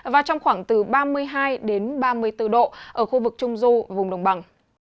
và trong khoảng từ ba mươi hai ba mươi bốn độ ở khu vực trung du vùng đồng bằng